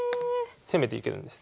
攻めていけるんです。